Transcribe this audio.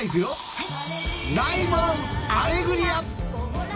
はい。